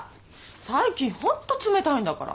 最近ホント冷たいんだから。